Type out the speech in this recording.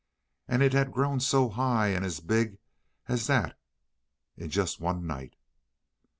And it had grown so high and as big as that in just one night.